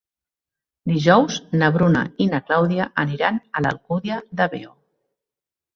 Dijous na Bruna i na Clàudia aniran a l'Alcúdia de Veo.